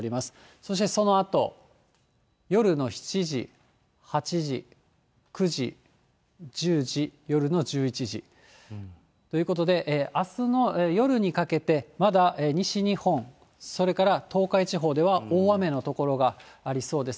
そしてそのあと、夜の７時、８時、９時、１０時、夜の１１時ということで、あすの夜にかけて、まだ西日本、それから東海地方では大雨の所がありそうです。